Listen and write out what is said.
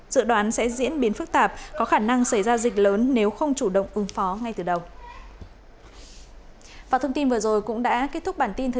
dự đoán sẽ diễn biến phức tạp có khả năng xảy ra dịch lớn nếu không chủ động ứng phó ngay từ đầu